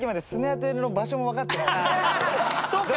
そっか。